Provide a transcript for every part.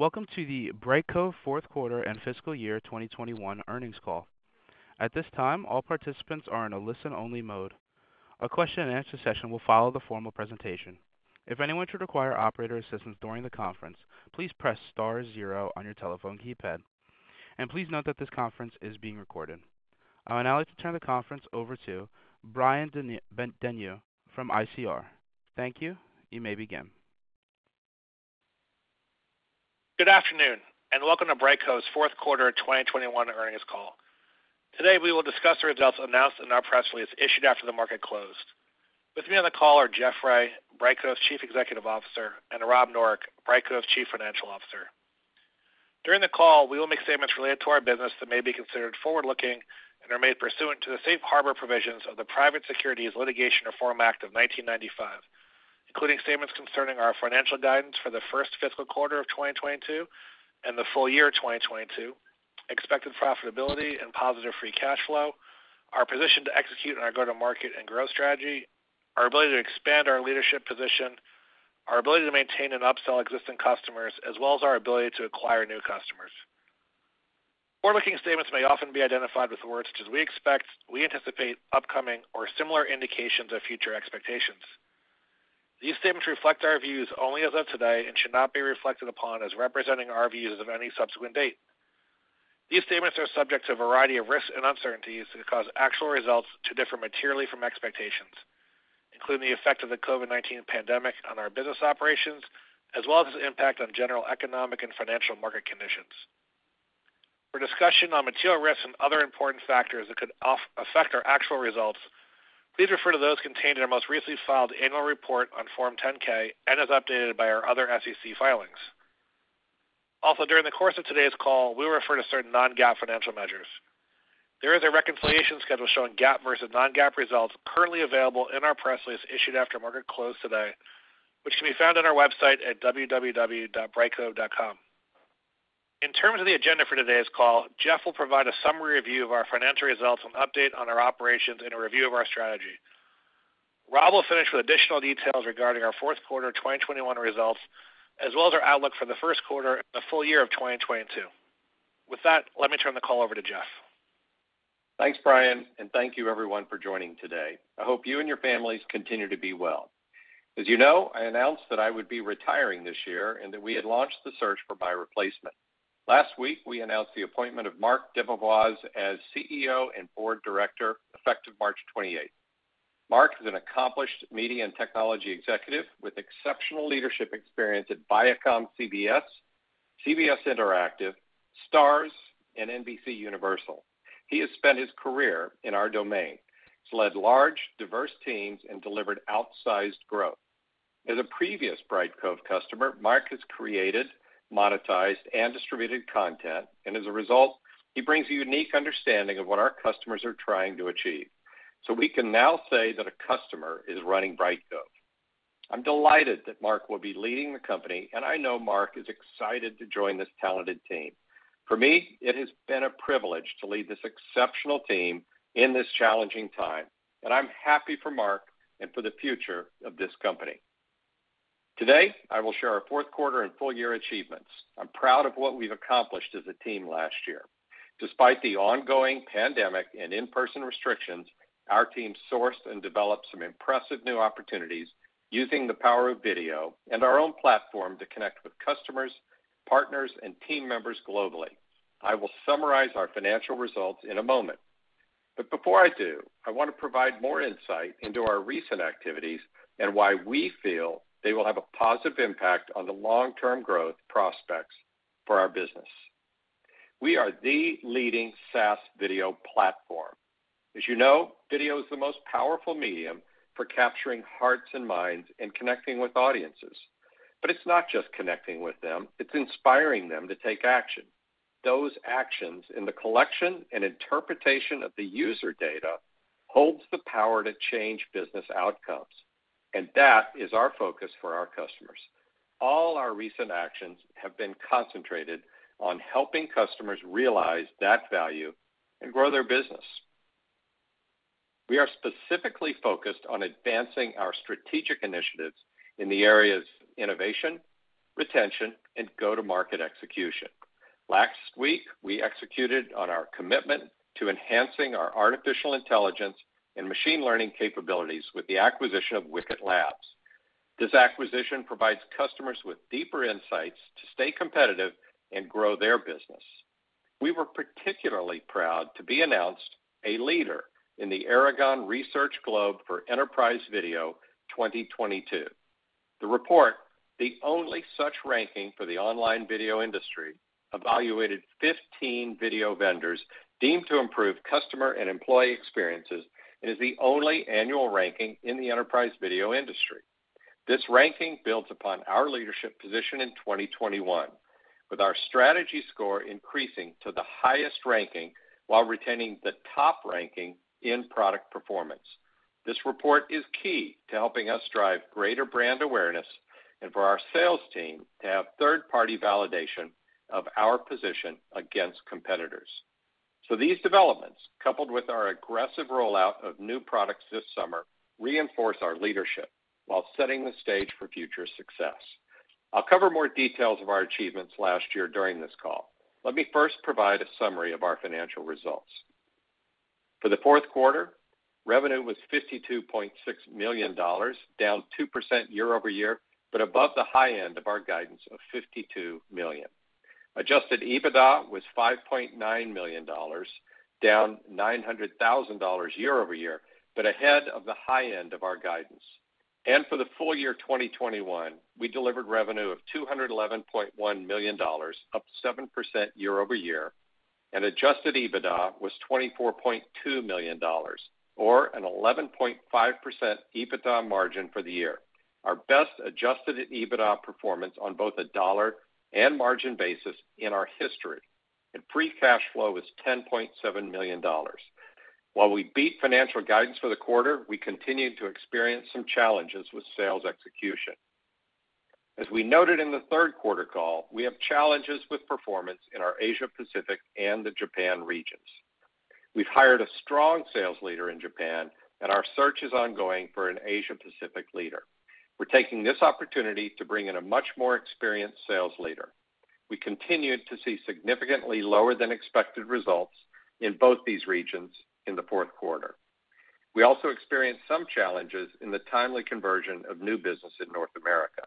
Welcome to the Brightcove fourth quarter and fiscal year 2021 earnings call. At this time, all participants are in a listen-only mode. A question-and-answer session will follow the formal presentation. If anyone should require operator assistance during the conference, please press star zero on your telephone keypad. Please note that this conference is being recorded. I would now like to turn the conference over to Brian Denyeau from ICR. Thank you. You may begin. Good afternoon and welcome to Brightcove's fourth quarter 2021 earnings call. Today, we will discuss the results announced in our press release issued after the market closed. With me on the call are Jeff Ray, Brightcove's Chief Executive Officer, and Rob Noreck, Brightcove's Chief Financial Officer. During the call, we will make statements related to our business that may be considered forward-looking and are made pursuant to the safe harbor provisions of the Private Securities Litigation Reform Act of 1995, including statements concerning our financial guidance for the first fiscal quarter of 2022 and the full year 2022; expected profitability and positive free cash flow; our position to execute on our go-to-market and growth strategy; our ability to expand our leadership position; our ability to maintain and upsell existing customers; as well as our ability to acquire new customers. Forward-looking statements may often be identified with words such as we expect, we anticipate, upcoming, or similar indications of future expectations. These statements reflect our views only as of today and should not be reflected upon as representing our views of any subsequent date. These statements are subject to a variety of risks and uncertainties that could cause actual results to differ materially from expectations, including the effect of the COVID-19 pandemic on our business operations, as well as its impact on general economic and financial market conditions. For discussion on material risks and other important factors that could affect our actual results, please refer to those contained in our most recently filed annual report on Form 10-K and as updated by our other SEC filings. Also, during the course of today's call, we will refer to certain non-GAAP financial measures. There is a reconciliation schedule showing GAAP versus non-GAAP results currently available in our press release issued after market close today, which can be found on our website at www.brightcove.com. In terms of the agenda for today's call, Jeff will provide a summary review of our financial results, an update on our operations, and a review of our strategy. Rob will finish with additional details regarding our fourth quarter 2021 results as well as our outlook for the first quarter and the full year of 2022. With that, let me turn the call over to Jeff. Thanks, Brian, and thank you, everyone, for joining today. I hope you and your families continue to be well. As you know, I announced that I would be retiring this year and that we had launched the search for my replacement. Last week, we announced the appointment of Marc DeBevoise as CEO and board director effective March 28. Marc is an accomplished media and technology executive with exceptional leadership experience at ViacomCBS, CBS Interactive, Starz, and NBCUniversal. He has spent his career in our domain. He's led large, diverse teams and delivered outsized growth. As a previous Brightcove customer, Marc DeBevoise has created, monetized, and distributed content, and as a result, he brings a unique understanding of what our customers are trying to achieve. We can now say that a customer is running Brightcove. I'm delighted that Marc will be leading the company, and I know Marc is excited to join this talented team. For me, it has been a privilege to lead this exceptional team in this challenging time, and I'm happy for Marc and for the future of this company. Today, I will share our fourth quarter and full-year achievements. I'm proud of what we've accomplished as a team last year. Despite the ongoing pandemic and in-person restrictions, our team sourced and developed some impressive new opportunities using the power of video and our own platform to connect with customers, partners, and team members globally. I will summarize our financial results in a moment. Before I do, I want to provide more insight into our recent activities and why we feel they will have a positive impact on the long-term growth prospects for our business. We are the leading SaaS video platform. As you know, video is the most powerful medium for capturing hearts and minds and connecting with audiences. It's not just connecting with them; it's inspiring them to take action. Those actions in the collection and interpretation of the user data holds the power to change business outcomes, and that is our focus for our customers. All our recent actions have been concentrated on helping customers realize that value and grow their business. We are specifically focused on advancing our strategic initiatives in the areas innovation, retention, and go-to-market execution. Last week, we executed on our commitment to enhancing our artificial intelligence and machine learning capabilities with the acquisition of Wicket Labs. This acquisition provides customers with deeper insights to stay competitive and grow their business. We were particularly proud to be announced a leader in the Aragon Research Globe for Enterprise Video 2022. The report, the only such ranking for the online video industry, evaluated 15 video vendors deemed to improve customer and employee experiences and is the only annual ranking in the enterprise video industry. This ranking builds upon our leadership position in 2021, with our strategy score increasing to the highest ranking while retaining the top ranking in product performance. This report is key to helping us drive greater brand awareness and for our sales team to have third-party validation of our position against competitors. These developments, coupled with our aggressive rollout of new products this summer, reinforce our leadership while setting the stage for future success. I'll cover more details of our achievements last year during this call. Let me first provide a summary of our financial results. For the fourth quarter, revenue was $52.6 million, down 2% year-over-year, but above the high end of our guidance of $52 million. Adjusted EBITDA was $5.9 million, down $900,000 year-over-year, but ahead of the high end of our guidance. For the full year 2021, we delivered revenue of $211.1 million, up 7% year-over-year, and adjusted EBITDA was $24.2 million or an 11.5% EBITDA margin for the year. Our best adjusted EBITDA performance on both a dollar and margin basis in our history. Free cash flow was $10.7 million. While we beat financial guidance for the quarter, we continued to experience some challenges with sales execution. As we noted in the third quarter call, we have challenges with performance in our Asia Pacific and the Japan regions. We've hired a strong sales leader in Japan, and our search is ongoing for an Asia Pacific leader. We're taking this opportunity to bring in a much more experienced sales leader. We continued to see significantly lower than expected results in both these regions in the fourth quarter. We also experienced some challenges in the timely conversion of new business in North America.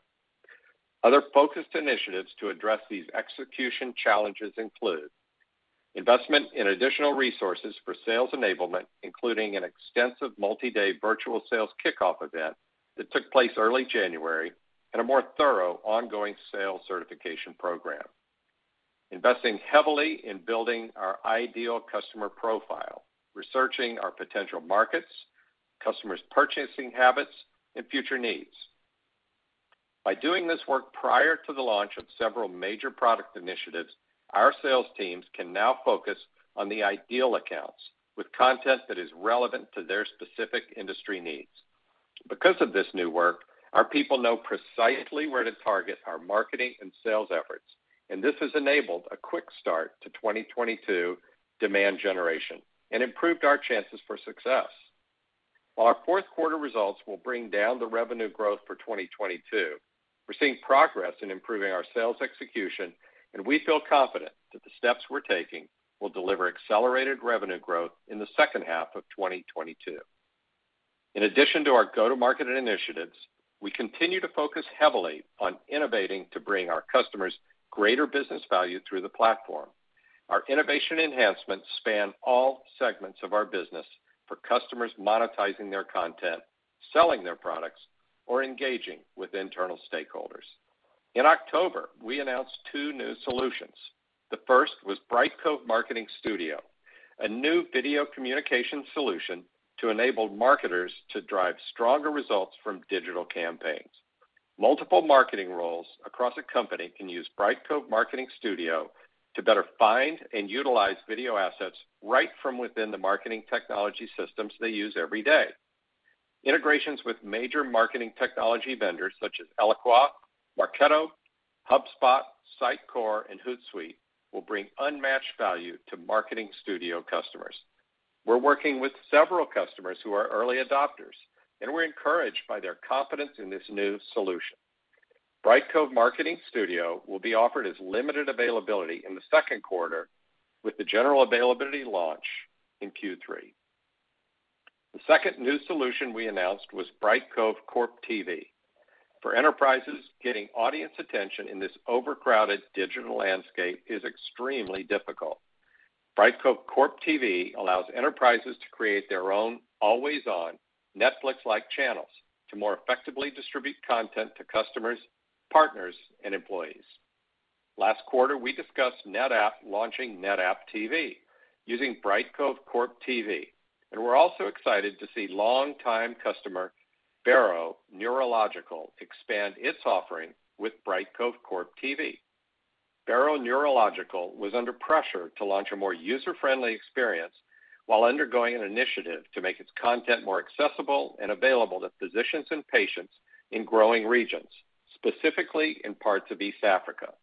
Other focused initiatives to address these execution challenges include investment in additional resources for sales enablement, including an extensive multi-day virtual sales kickoff event that took place early January and a more thorough ongoing sales certification program; investing heavily in building our ideal customer profile; and researching our potential markets, customers' purchasing habits, and future needs. By doing this work prior to the launch of several major product initiatives, our sales teams can now focus on the ideal accounts with content that is relevant to their specific industry needs. Because of this new work, our people know precisely where to target our marketing and sales efforts, and this has enabled a quick start to 2022 demand generation and improved our chances for success. While our fourth quarter results will bring down the revenue growth for 2022, we're seeing progress in improving our sales execution, and we feel confident that the steps we're taking will deliver accelerated revenue growth in the second half of 2022. In addition to our go-to-market initiatives, we continue to focus heavily on innovating to bring our customers greater business value through the platform. Our innovation enhancements span all segments of our business for customers monetizing their content, selling their products, or engaging with internal stakeholders. In October, we announced two new solutions. The first was Brightcove Marketing Studio, a new video communication solution to enable marketers to drive stronger results from digital campaigns. Multiple marketing roles across a company can use Brightcove Marketing Studio to better find and utilize video assets right from within the marketing technology systems they use every day. Integrations with major marketing technology vendors such as Eloqua, Marketo, HubSpot, Sitecore, and Hootsuite will bring unmatched value to Marketing Studio customers. We're working with several customers who are early adopters, and we're encouraged by their confidence in this new solution. Brightcove Marketing Studio will be offered as limited availability in the second quarter, with the general availability launch in Q3. The second new solution we announced was Brightcove CorpTV. For enterprises, getting audience attention in this overcrowded digital landscape is extremely difficult. Brightcove CorpTV allows enterprises to create their own always-on Netflix-like channels to more effectively distribute content to customers, partners, and employees. Last quarter, we discussed NetApp launching NetApp TV using Brightcove CorpTV, and we're also excited to see longtime customer Barrow Neurological expand its offering with Brightcove CorpTV. Barrow Neurological was under pressure to launch a more user-friendly experience while undergoing an initiative to make its content more accessible and available to physicians and patients in growing regions, specifically in parts of East Africa.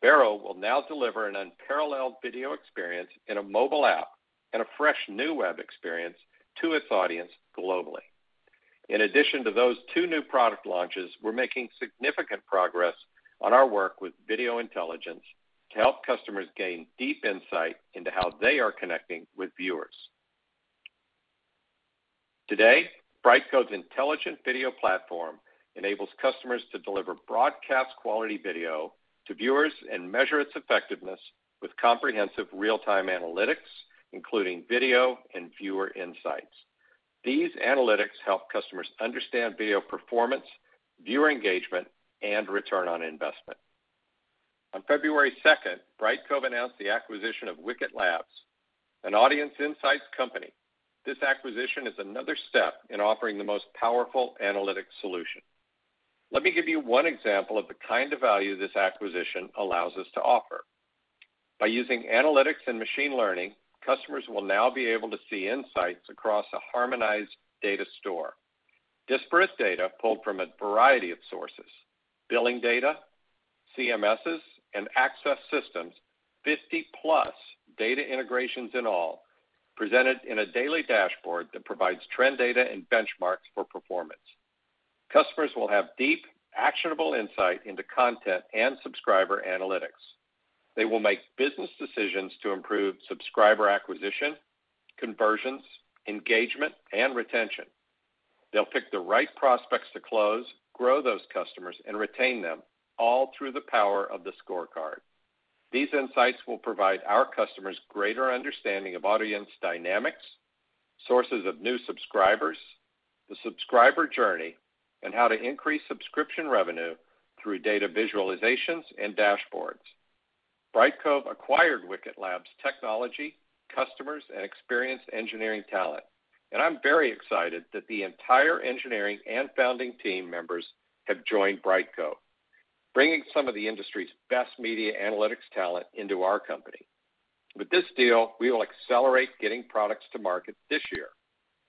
Barrow will now deliver an unparalleled video experience in a mobile app and a fresh new web experience to its audience globally. In addition to those two new product launches, we're making significant progress on our work with video intelligence to help customers gain deep insight into how they are connecting with viewers. Today, Brightcove's intelligent video platform enables customers to deliver broadcast-quality video to viewers and measure its effectiveness with comprehensive real-time analytics, including video and viewer insights. These analytics help customers understand video performance, viewer engagement, and return on investment. On February 2, Brightcove announced the acquisition of Wicket Labs, an audience insights company. This acquisition is another step in offering the most powerful analytics solution. Let me give you one example of the kind of value this acquisition allows us to offer. By using analytics and machine learning, customers will now be able to see insights across a harmonized data store. Dispersed data, pulled from a variety of sources, billing data, CMSs, and access systems—50-plus data integrations in all—is presented in a daily dashboard that provides trend data and benchmarks for performance. Customers will have deep, actionable insight into content and subscriber analytics. They will make business decisions to improve subscriber acquisition, conversions, engagement, and retention. They will pick the right prospects to close, grow those customers, and retain them all through the power of the scorecard. These insights will provide our customers greater understanding of audience dynamics, sources of new subscribers, the subscriber journey, and how to increase subscription revenue through data visualizations and dashboards. Brightcove acquired Wicket Labs' technology, customers, and experienced engineering talent, and I'm very excited that the entire engineering and founding team members have joined Brightcove, bringing some of the industry's best media analytics talent into our company. With this deal, we will accelerate getting products to market this year,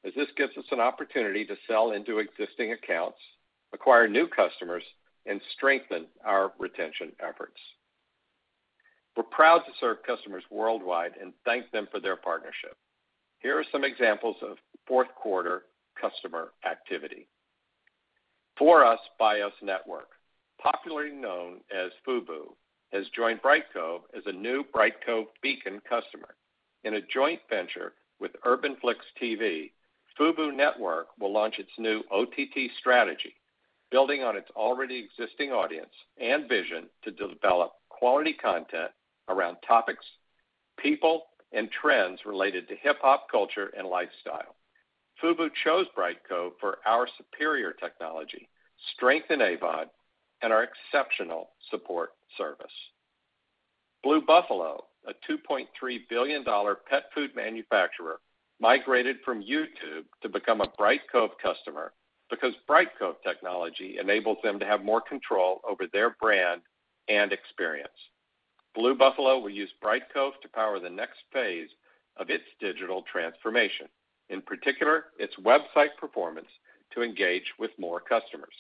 as this gives us an opportunity to sell into existing accounts, acquire new customers, and strengthen our retention efforts. We're proud to serve customers worldwide and thank them for their partnership. Here are some examples of fourth quarter customer activity. For Us By Us Network, popularly known as FUBU, has joined Brightcove as a new Brightcove Beacon customer. In a joint venture with UrbanflixTV, FUBU Network will launch its new OTT strategy, building on its already existing audience and vision to develop quality content around topics, people, and trends related to hip hop culture and lifestyle. FUBU chose Brightcove for our superior technology, strength in AVOD, and our exceptional support service. Blue Buffalo, a $2.3 billion pet food manufacturer, migrated from YouTube to become a Brightcove customer because Brightcove technology enables them to have more control over their brand and experience. Blue Buffalo will use Brightcove to power the next phase of its digital transformation, in particular, its website performance to engage with more customers.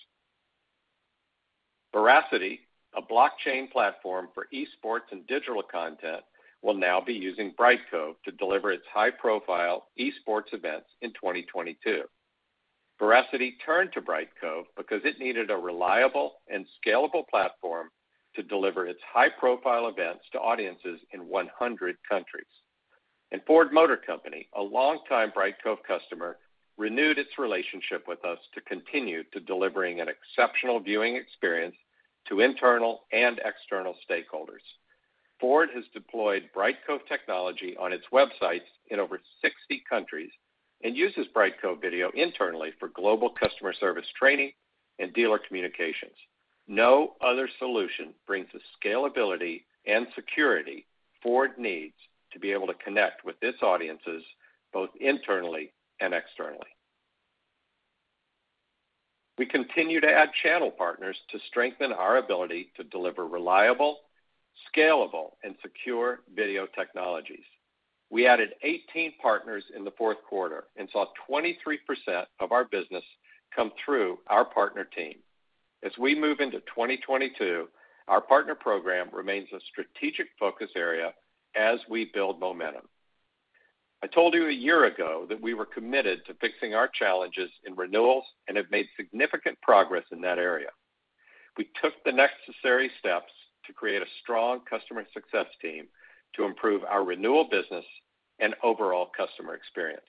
Verasity, a blockchain platform for esports and digital content, will now be using Brightcove to deliver its high-profile esports events in 2022. Verasity turned to Brightcove because it needed a reliable and scalable platform to deliver its high-profile events to audiences in 100 countries. Ford Motor Company, a longtime Brightcove customer, renewed its relationship with us to continue to delivering an exceptional viewing experience to internal and external stakeholders. Ford has deployed Brightcove technology on its websites in over 60 countries and uses Brightcove video internally for global customer service training and dealer communications. No other solution brings the scalability and security Ford needs to be able to connect with its audiences, both internally and externally. We continue to add channel partners to strengthen our ability to deliver reliable, scalable, and secure video technologies. We added 18 partners in the fourth quarter and saw 23% of our business come through our partner team. As we move into 2022, our partner program remains a strategic focus area as we build momentum. I told you a year ago that we were committed to fixing our challenges in renewals and have made significant progress in that area. We took the necessary steps to create a strong customer success team to improve our renewal business and overall customer experience.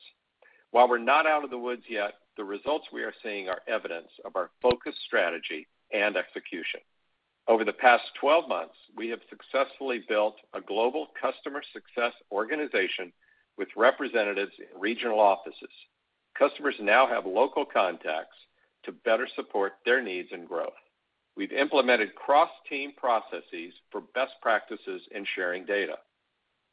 While we're not out of the woods yet, the results we are seeing are evidence of our focused strategy and execution. Over the past 12 months, we have successfully built a global customer success organization with representatives in regional offices. Customers now have local contacts to better support their needs and growth. We've implemented cross-team processes for best practices in sharing data.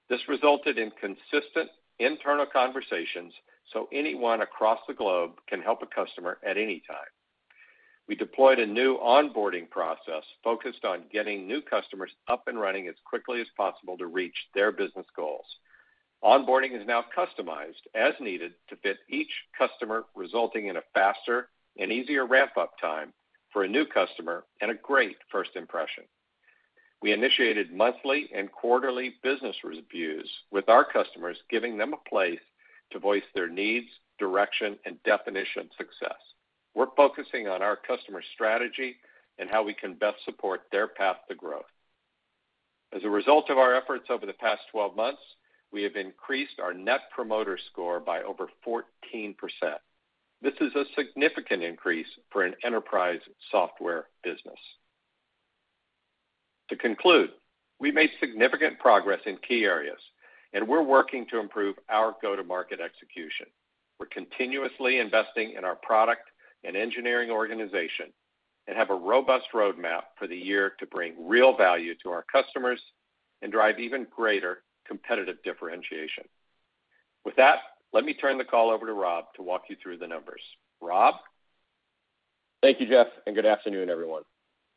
This resulted in consistent internal conversations, so anyone across the globe can help a customer at any time. We deployed a new onboarding process focused on getting new customers up and running as quickly as possible to reach their business goals. Onboarding is now customized as needed to fit each customer, resulting in a faster and easier ramp-up time for a new customer and a great first impression. We initiated monthly and quarterly business reviews with our customers, giving them a place to voice their needs, direction, and definition of success. We're focusing on our customer strategy and how we can best support their path to growth. As a result of our efforts over the past 12 months, we have increased our Net Promoter Score by over 14%. This is a significant increase for an enterprise software business. To conclude, we made significant progress in key areas, and we're working to improve our go-to-market execution. We're continuously investing in our product and engineering organization and have a robust roadmap for the year to bring real value to our customers and drive even greater competitive differentiation. With that, let me turn the call over to Rob to walk you through the numbers. Rob? Thank you, Jeff, and good afternoon, everyone.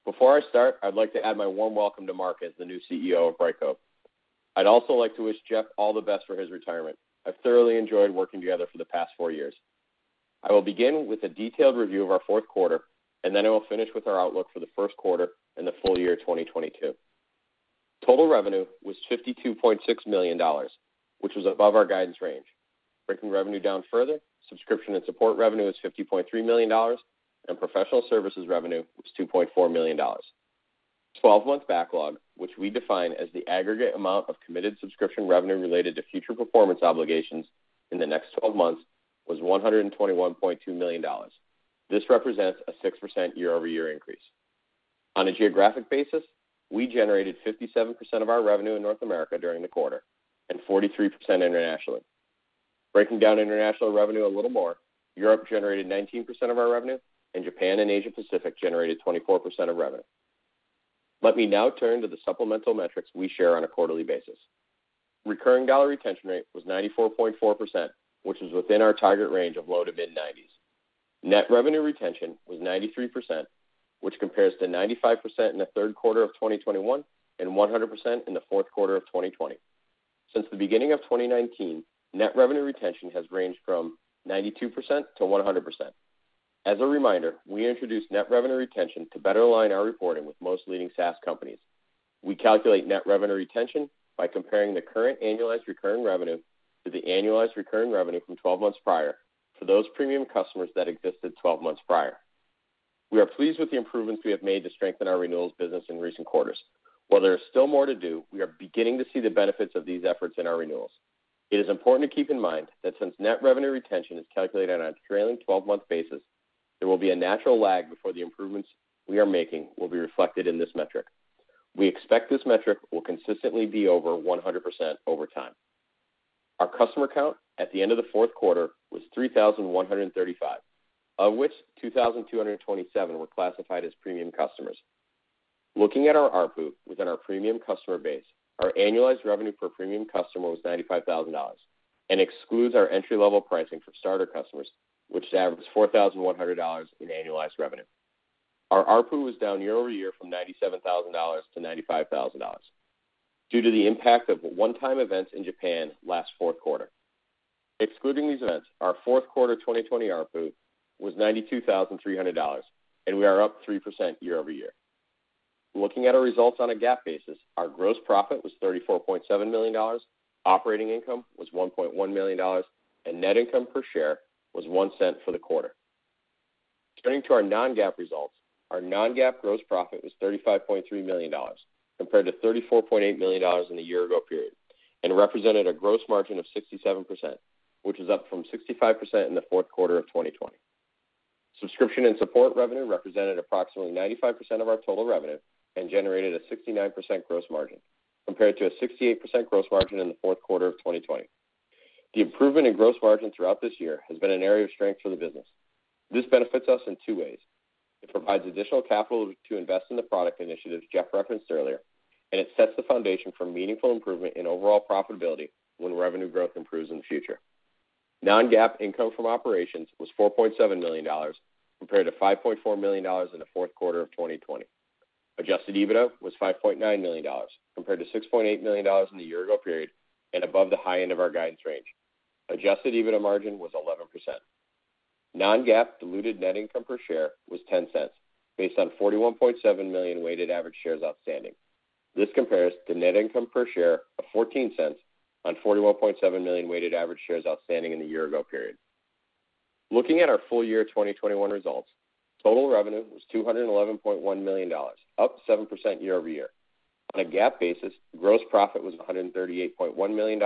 Before I start, I'd like to add my warm welcome to Marc as the new CEO of Brightcove. I'd also like to wish Jeff all the best for his retirement. I've thoroughly enjoyed working together for the past four years. I will begin with a detailed review of our fourth quarter, and then I will finish with our outlook for the first quarter and the full year 2022. Total revenue was $52.6 million, which was above our guidance range. Breaking revenue down further, subscription and support revenue is $50.3 million, and professional services revenue was $2.4 million. Twelve-month backlog, which we define as the aggregate amount of committed subscription revenue related to future performance obligations in the next 12 months, was $121.2 million. This represents a 6% year-over-year increase. On a geographic basis, we generated 57% of our revenue in North America during the quarter and 43% internationally. Breaking down international revenue a little more, Europe generated 19% of our revenue and Japan and Asia Pacific generated 24% of revenue. Let me now turn to the supplemental metrics we share on a quarterly basis. Recurring dollar retention rate was 94.4%, which is within our target range of low- to mid-90s. Net revenue retention was 93%, which compares to 95% in the third quarter of 2021 and 100% in the fourth quarter of 2020. Since the beginning of 2019, net revenue retention has ranged from 92% to 100%. As a reminder, we introduced net revenue retention to better align our reporting with most leading SaaS companies. We calculate net revenue retention by comparing the current annualized recurring revenue to the annualized recurring revenue from twelve months prior for those premium customers that existed twelve months prior. We are pleased with the improvements we have made to strengthen our renewals business in recent quarters. While there is still more to do, we are beginning to see the benefits of these efforts in our renewals. It is important to keep in mind that since net revenue retention is calculated on a trailing twelve-month basis, there will be a natural lag before the improvements we are making will be reflected in this metric. We expect this metric will consistently be over 100% over time. Our customer count at the end of the fourth quarter was 3,135, of which 2,227 were classified as premium customers. Looking at our ARPU within our premium customer base, our annualized revenue per premium customer was $95,000 and excludes our entry-level pricing for starter customers, which averages $4,100 in annualized revenue. Our ARPU was down year-over-year from $97,000 to $95,000 due to the impact of one-time events in Japan last fourth quarter. Excluding these events, our fourth quarter 2020 ARPU was $92,300, and we are up 3% year-over-year. Looking at our results on a GAAP basis, our gross profit was $34.7 million, operating income was $1.1 million, and net income per share was $0.01 for the quarter. Turning to our non-GAAP results, our non-GAAP gross profit was $35.3 million compared to $34.8 million in the year-ago period and represented a gross margin of 67%, which is up from 65% in the fourth quarter of 2020. Subscription and support revenue represented approximately 95% of our total revenue and generated a 69% gross margin compared to a 68% gross margin in the fourth quarter of 2020. The improvement in gross margin throughout this year has been an area of strength for the business. This benefits us in two ways. It provides additional capital to invest in the product initiatives Jeff referenced earlier, and it sets the foundation for meaningful improvement in overall profitability when revenue growth improves in the future. Non-GAAP income from operations was $4.7 million compared to $5.4 million in the fourth quarter of 2020. Adjusted EBITDA was $5.9 million compared to $6.8 million in the year-ago period and above the high end of our guidance range. Adjusted EBITDA margin was 11%. Non-GAAP diluted net income per share was $0.10 based on 41.7 million weighted average shares outstanding. This compares to net income per share of $0.14 on 41.7 million weighted average shares outstanding in the year ago period. Looking at our full year 2021 results, total revenue was $211.1 million, up 7% year-over-year. On a GAAP basis, gross profit was $138.1 million,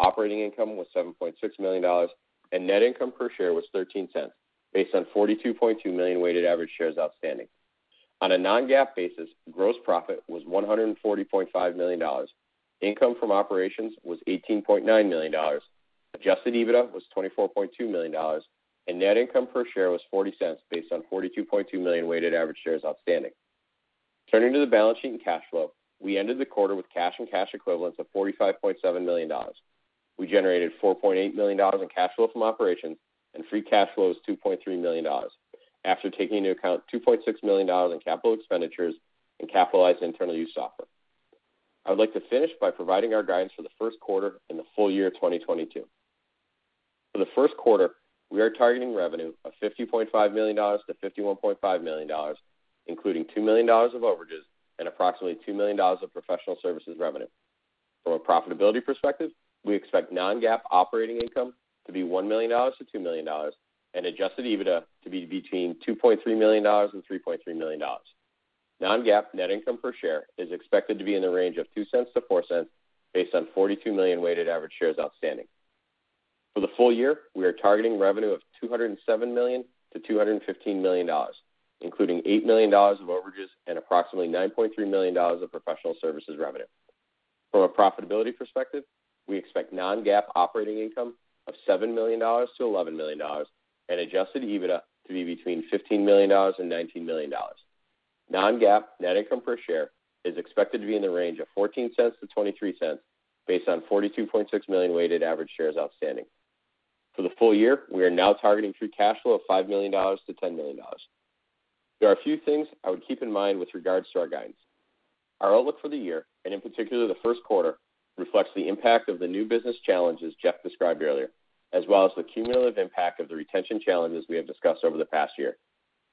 operating income was $7.6 million, and net income per share was $0.13 based on 42.2 million weighted average shares outstanding. On a non-GAAP basis, gross profit was $140.5 million, income from operations was $18.9 million, adjusted EBITDA was $24.2 million, and net income per share was $0.40 based on 42.2 million weighted average shares outstanding. Turning to the balance sheet and cash flow, we ended the quarter with cash and cash equivalents of $45.7 million. We generated $4.8 million in cash flow from operations and free cash flow is $2.3 million after taking into account $2.6 million in capital expenditures and capitalized internal use software. I would like to finish by providing our guidance for the first quarter and the full year 2022. For the first quarter we are targeting revenue of $50.5 million-$51.5 million, including $2 million of overages and approximately $2 million of professional services revenue. From a profitability perspective, we expect non-GAAP operating income to be $1 million-$2 million and adjusted EBITDA to be between $2.3 million and $3.3 million. Non-GAAP net income per share is expected to be in the range of $0.02-$0.04 based on 42 million weighted average shares outstanding. For the full year we are targeting revenue of $207 million-$215 million, including $8 million of overages and approximately $9.3 million of professional services revenue. From a profitability perspective, we expect non-GAAP operating income of $7 million-$11 million and adjusted EBITDA to be between $15 million and $19 million. Non-GAAP net income per share is expected to be in the range of $0.14-$0.23 based on 42.6 million weighted average shares outstanding. For the full year we are now targeting free cash flow of $5 million-$10 million. There are a few things I would keep in mind with regards to our guidance. Our outlook for the year, and in particular, the first quarter, reflects the impact of the new business challenges Jeff described earlier, as well as the cumulative impact of the retention challenges we have discussed over the past year.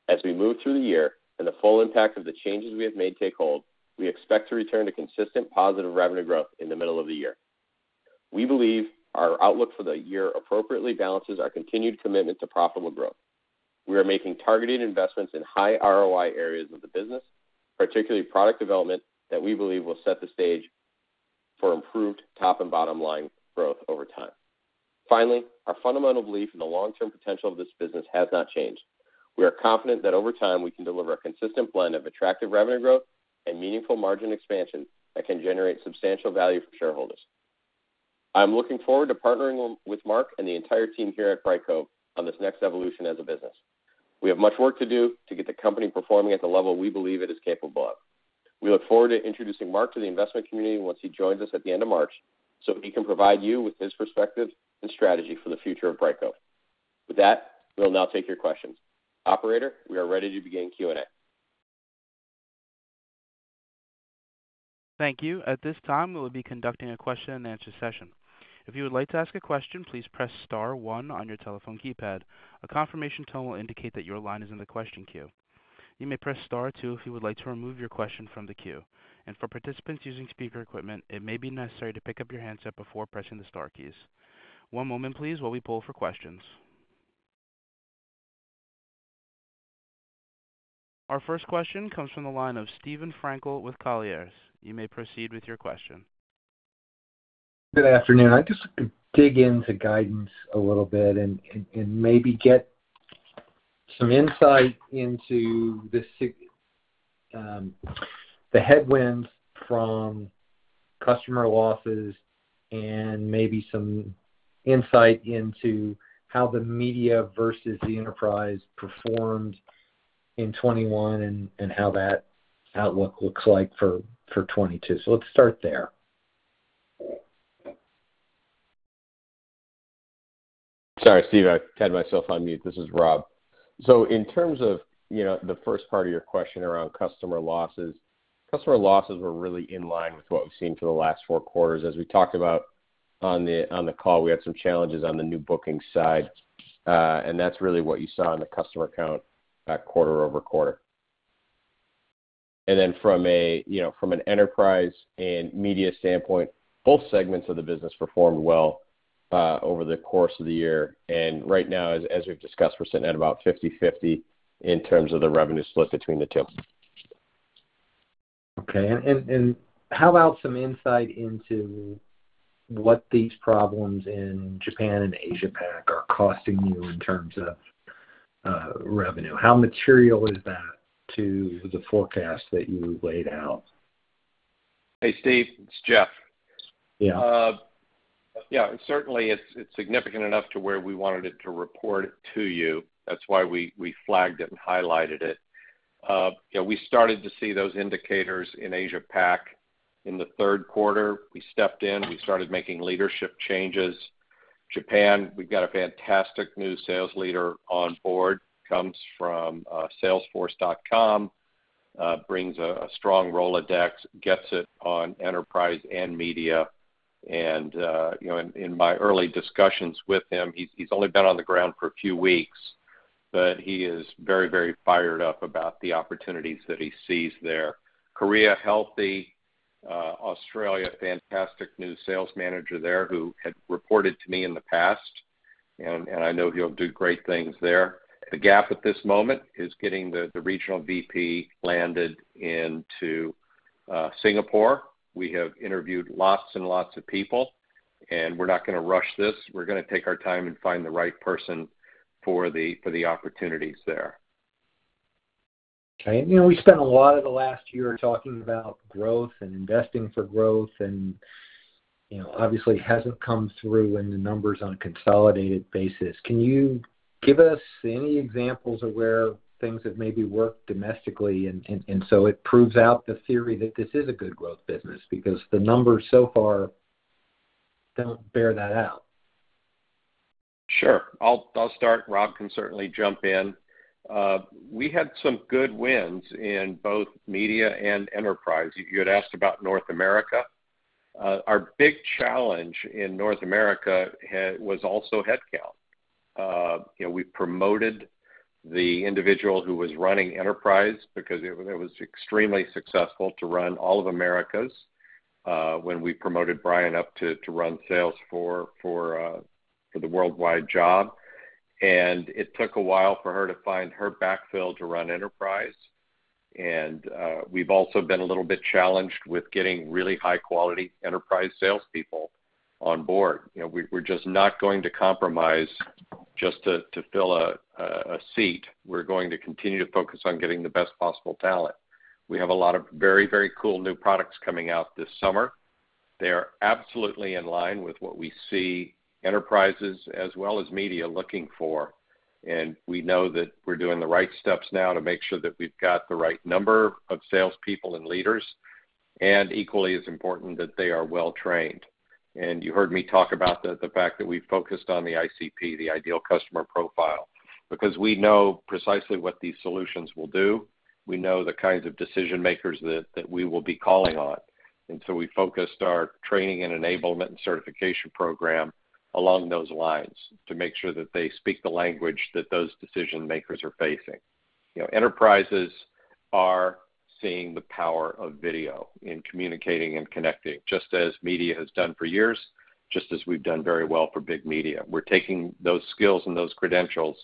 As we move through the year and the full impact of the changes we have made take hold, we expect to return to consistent positive revenue growth in the middle of the year. We believe our outlook for the year appropriately balances our continued commitment to profitable growth. We are making targeted investments in high ROI areas of the business, particularly product development that we believe will set the stage for improved top- and bottom-line growth over time. Finally, our fundamental belief in the long-term potential of this business has not changed. We are confident that over time, we can deliver a consistent blend of attractive revenue growth and meaningful margin expansion that can generate substantial value for shareholders. I'm looking forward to partnering with Marc DeBevoise and the entire team here at Brightcove on this next evolution as a business. We have much work to do to get the company performing at the level we believe it is capable of. We look forward to introducing Marc DeBevoise to the investment community once he joins us at the end of March so he can provide you with his perspective and strategy for the future of Brightcove. With that, we'll now take your questions. Operator, we are ready to begin Q&A. Thank you. At this time, we will be conducting a question and answer session. If you would like to ask a question, please press star one on your telephone keypad. A confirmation tone will indicate that your line is in the question queue. You may press star two if you would like to remove your question from the queue. For participants using speaker equipment, it may be necessary to pick up your handset before pressing the star keys. One moment please, while we pull for questions. Our first question comes from the line of Steven Frankel with Colliers. You may proceed with your question. Good afternoon. I'd just dig into guidance a little bit and maybe get some insight into the headwinds from customer losses and maybe some insight into how the media versus the enterprise performed in 2021 and how that outlook looks like for 2022. Let's start there. Sorry, Steve, I had myself on mute. This is Rob. In terms of, you know, the first part of your question around customer losses, customer losses were really in line with what we've seen for the last four quarters. As we talked about on the call, we had some challenges on the new booking side, and that's really what you saw in the customer count quarter-over-quarter. You know, from an enterprise and media standpoint, both segments of the business performed well over the course of the year. Right now, as we've discussed, we're sitting at about 50/50 in terms of the revenue split between the two. Okay. How about some insight into what these problems in Japan and Asia-Pac are costing you in terms of revenue? How material is that to the forecast that you laid out? Hey, Steve, it's Jeff. Yeah. Yeah, certainly it's significant enough to where we wanted it to report it to you. That's why we flagged it and highlighted it. Yeah, we started to see those indicators in Asia Pac in the third quarter. We stepped in; we started making leadership changes. Japan, we've got a fantastic new sales leader on board; he comes from Salesforce.com, brings a strong Rolodex, and gets it on enterprise and media. You know, in my early discussions with him, he's only been on the ground for a few weeks, but he is very fired up about the opportunities that he sees there. Korea, healthy. Australia, fantastic new sales manager there who had reported to me in the past, and I know he'll do great things there. The gap at this moment is getting the regional VP landed in Singapore. We have interviewed lots and lots of people, and we're not gonna rush this. We're gonna take our time and find the right person for the opportunities there. Okay. You know, we spent a lot of the last year talking about growth and investing for growth and, you know, obviously hasn't come through in the numbers on a consolidated basis. Can you give us any examples of where things have maybe worked domestically, so it proves out the theory that this is a good growth business? Because the numbers so far don't bear that out. Sure. I'll start. Rob can certainly jump in. We had some good wins in both media and enterprise. You had asked about North America. Our big challenge in North America was also headcount. You know, we promoted the individual who was running enterprise because it was extremely successful to run all of America's when we promoted Brian up to run sales for the worldwide job. It took a while for her to find her backfill to run enterprise. We've also been a little bit challenged with getting really high-quality enterprise salespeople on board. You know, we're just not going to compromise just to fill a seat. We're going to continue to focus on getting the best possible talent. We have a lot of very cool new products coming out this summer. They are absolutely in line with what we see enterprises as well as media looking for, and we know that we're doing the right steps now to make sure that we've got the right number of salespeople and leaders and, equally as important, that they are well trained. You heard me talk about the fact that we focused on the ICP, the ideal customer profile. Because we know precisely what these solutions will do. We know the kinds of decision-makers that we will be calling on. We focused our training and enablement and certification program along those lines to make sure that they speak the language that those decision-makers are facing. You know, enterprises are seeing the power of video in communicating and connecting, just as media has done for years, just as we've done very well for big media. We're taking those skills and those credentials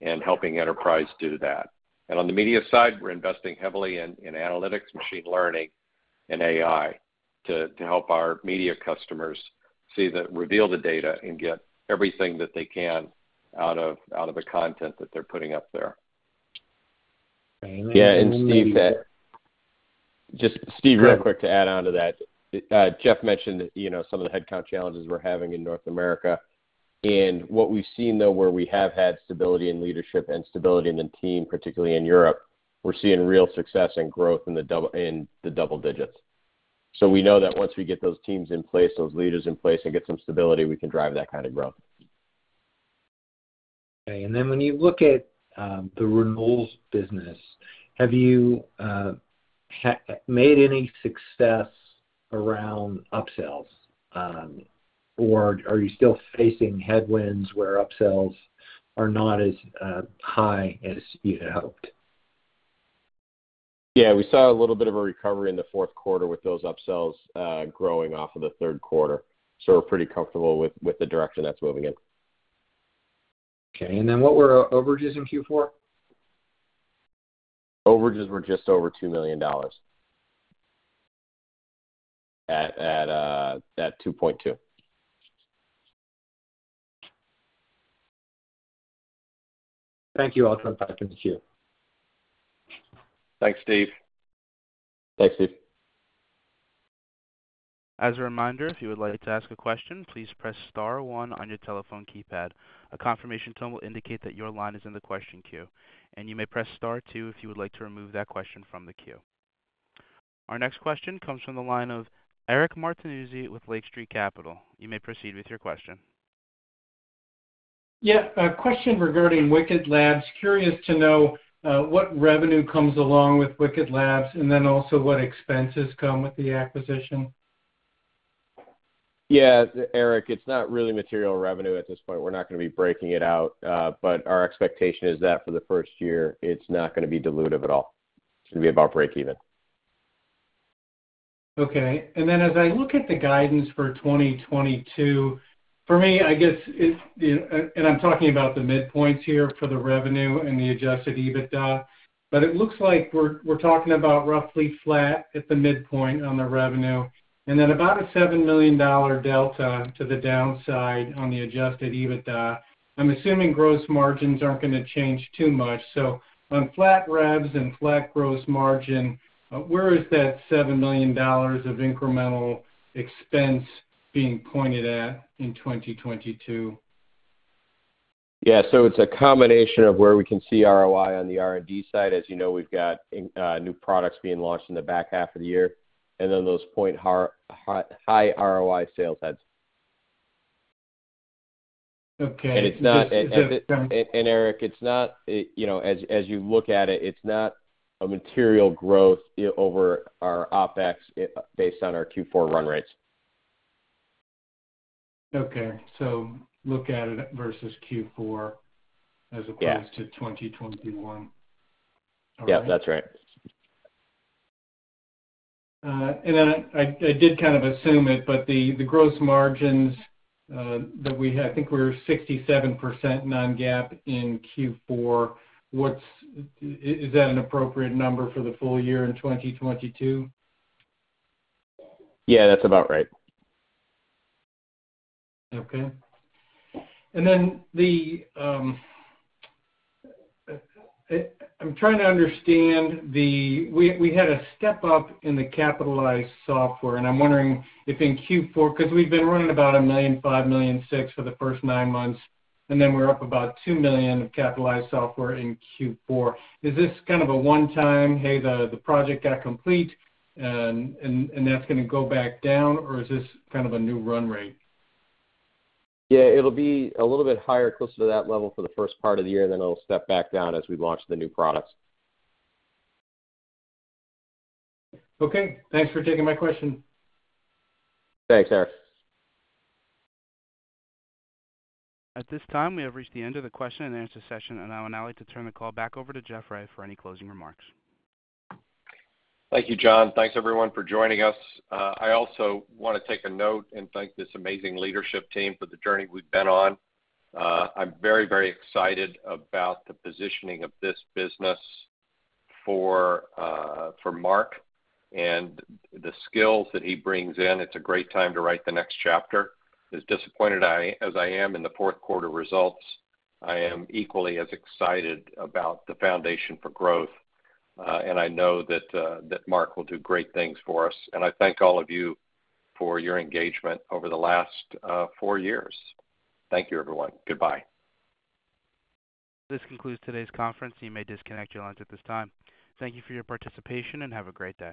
and helping enterprise do that. On the media side, we're investing heavily in analytics, machine learning, and AI to help our media customers reveal the data and get everything that they can out of the content that they're putting up there. when you- Yeah, Steve. Just real quick to add on to that. Jeff mentioned, you know, some of the headcount challenges we're having in North America. What we've seen, though, where we have had stability in leadership and stability in the team, particularly in Europe, we're seeing real success and growth in the double digits. We know that once we get those teams in place, those leaders in place, and get some stability, we can drive that kind of growth. Okay. When you look at the renewals business, have you made any success around upsells? Or are you still facing headwinds where upsells are not as high as you had hoped? Yeah, we saw a little bit of a recovery in the fourth quarter with those upsells, growing off of the third quarter. We're pretty comfortable with the direction that's moving in. Okay. What were overages in Q4? Overages were just over $2 million. At that $2.2. Thank you. I'll turn back in the queue. Thanks, Steve. Thanks, Steve. As a reminder, if you would like to ask a question, please press star one on your telephone keypad. A confirmation tone will indicate that your line is in the question queue, and you may press star two if you would like to remove that question from the queue. Our next question comes from the line of Eric Martinuzzi with Lake Street Capital Markets. You may proceed with your question. Yeah, a question regarding Wicket Labs. Curious to know what revenue comes along with Wicket Labs, and then also what expenses come with the acquisition. Yeah. Eric, it's not really material revenue at this point. We're not gonna be breaking it out. Our expectation is that for the first year, it's not gonna be dilutive at all. It's gonna be about break even. Okay. As I look at the guidance for 2022, for me, I guess it's—and I'm talking about the midpoints here for the revenue and the adjusted EBITDA—but it looks like we're talking about roughly flat at the midpoint on the revenue and then about a $7 million delta to the downside on the adjusted EBITDA. I'm assuming gross margins aren't gonna change too much. On flat revs and flat gross margin, where is that $7 million of incremental expense being pointed at in 2022? Yeah. It's a combination of where we can see ROI on the R&D side. As you know, we've got new products being launched in the back half of the year, and then those point high ROI sales heads. Okay. Is it? Eric, it's not, you know, as you look at it's not a material growth over our OpEx based on our Q4 run rates. Okay. Look at it versus Q4. Yeah. as opposed to 2021. All right. Yep, that's right. I did kind of assume it, but the gross margins that we had, I think we were 67% non-GAAP in Q4. Is that an appropriate number for the full year in 2022? Yeah, that's about right. Okay. Then I'm trying to understand the step-up in the capitalized software, and I'm wondering if in Q4, cause we've been running about $1.5 million, $1.6 million for the first nine months, and then we're up about $2 million of capitalized software in Q4. Is this kind of a one-time thing, hey, the project got complete and that's gonna go back down, or is this kind of a new run rate? Yeah. It'll be a little bit higher, closer to that level for the first part of the year, then it'll step back down as we launch the new products. Okay. Thanks for taking my question. Thanks, Eric. At this time, we have reached the end of the question-and-answer session, and I would now like to turn the call back over to Jeff Ray for any closing remarks. Thank you, John. Thanks everyone for joining us. I also wanna take a note and thank this amazing leadership team for the journey we've been on. I'm very, very excited about the positioning of this business for Marc and the skills that he brings in. It's a great time to write the next chapter. As disappointed as I am in the fourth quarter results, I am equally as excited about the foundation for growth. I know that Marc will do great things for us. I thank all of you for your engagement over the last four years. Thank you, everyone. Goodbye. This concludes today's conference. You may disconnect your lines at this time. Thank you for your participation, and have a great day.